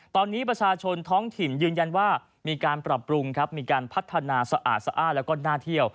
ตอนนี้ประชาชนท้องถิ่นยืนยันว่ามีการปรับปรุงครับมีการพัฒนาสะอาดสะอ้านแล้วก็น่าเที่ยว